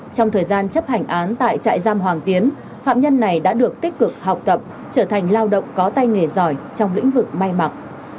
trong thời gian chấp hành án tại trại giam hoàng tiến phạm nhân này đã được tích cực học tập trở thành lao động có tay nghề giỏi trong lĩnh vực may mặc